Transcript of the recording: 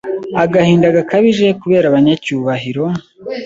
agahinda gakabije kubera abanyacyubahiro